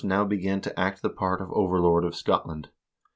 now began to act the part of overlord of Scotland.